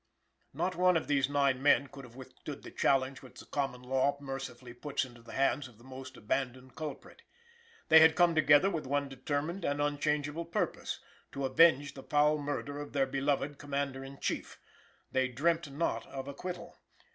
Not one of these nine men could have withstood the challenge which the common law mercifully puts into the hands of the most abandoned culprit. They had come together with one determined and unchangeable purpose to avenge the foul murder of their beloved Commander in Chief. They dreamt not of acquittal.